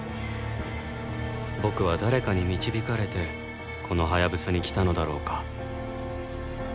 僕は誰かに導かれてこのハヤブサに来たのだろうか